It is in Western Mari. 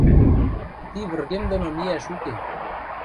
Ти выргем доно миӓш уке.